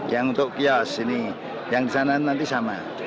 yang untuk kios ini yang di sana nanti sama